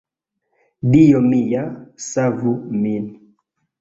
"Dio mia, savu min!"